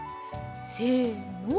せの。